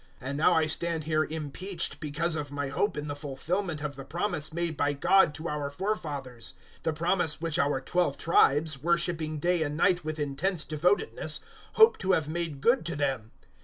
026:006 And now I stand here impeached because of my hope in the fulfilment of the promise made by God to our forefathers 026:007 the promise which our twelve tribes, worshipping day and night with intense devotedness, hope to have made good to them.